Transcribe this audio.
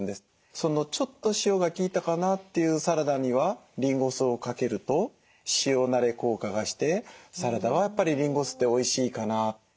ちょっと塩が効いたかなっていうサラダにはリンゴ酢をかけると塩なれ効果がしてサラダはやっぱりリンゴ酢っておいしいかなって。